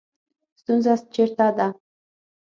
ستونزه چېرته ده